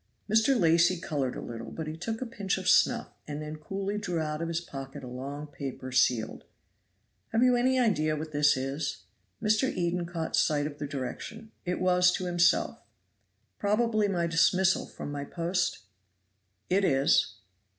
Mr. Lacy colored a little, but he took a pinch of snuff, and then coolly drew out of his pocket a long paper sealed. "Have you any idea what this is?" Mr. Eden caught sight of the direction; it was to himself. "Probably my dismissal from my post?" "It is."